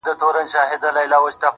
مينه مني ميني څه انكار نه كوي